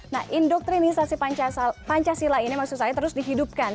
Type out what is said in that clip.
nah indoktrinisasi pancasila ini maksud saya terus dihidupkan